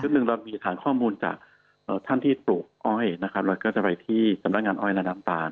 หนึ่งเรามีฐานข้อมูลจากท่านที่ปลูกอ้อยนะครับเราก็จะไปที่สำนักงานอ้อยและน้ำตาล